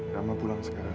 rama pulang sekarang